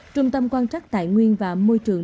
trung tâm quan trắc tài nguyên và môi trường